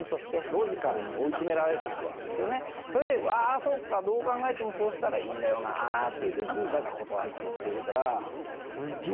それでああそうかどう考えてもそうしたらいいんだよなぁっていう時に「だが断る」って言ってくれるからすっげ